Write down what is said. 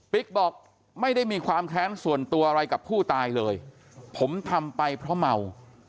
บอกไม่ได้มีความแค้นส่วนตัวอะไรกับผู้ตายเลยผมทำไปเพราะเมา